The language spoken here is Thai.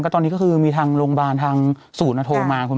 ก็ตอนนี้ก็คือมีทางโรงบาลทางสูตรนโทมาคุณแม่